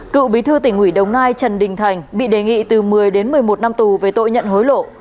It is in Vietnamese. cựu bí thư tỉnh ủy đồng nai trần đình thành bị đề nghị từ một mươi đến một mươi một năm tù về tội nhận hối lộ